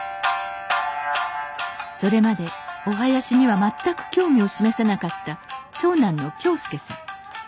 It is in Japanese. それまでお囃子には全く興味を示さなかった長男の恭将さん。